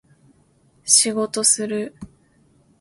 仕事する